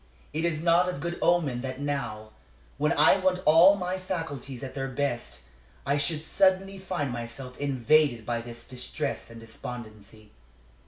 It is not of good omen that now, when I want all my faculties at their best, I should suddenly find myself invaded by this distress and despondency.